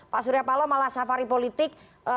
pak suryapalo malah safari politik